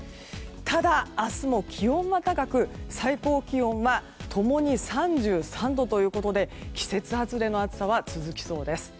ただ、明日も気温は高く最高気温は共に３３度で季節外れの暑さは続きそうです。